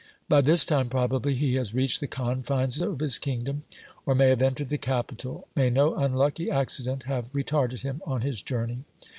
By this time, probably, he has reached the con fries of his kingdom, or may have entered the capital. May no unlucky acci dent have retarded him on his journey